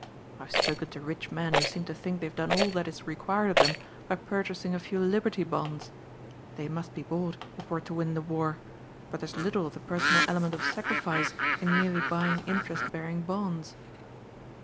I've spoken to rich men who seem to think they've done all that is required of them by purchasing a few Liberty Bonds. They must be bought if we are to win the war, but there's little of the personal element of sacrifice in merely buying interest bearing bonds."